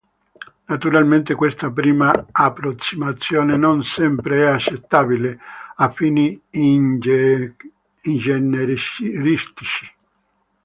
Naturalmente questa prima approssimazione non sempre è accettabile a fini ingegneristici.